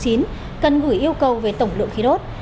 cần gửi yêu cầu về tổng lượng khí đốt